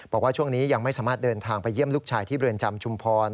บอกว่าช่วงนี้ยังไม่สามารถเดินทางไปเยี่ยมลูกชายที่เรือนจำชุมพร